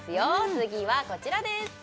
次はこちらです